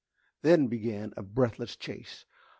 Then began a breathless chase.